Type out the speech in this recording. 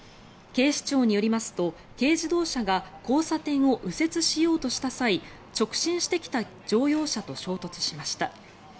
警視庁によりますと軽自動車が交差点を右折しようとした際直進してきた乗用車と衝突しました。